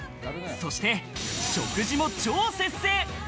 そして、食事も超節制。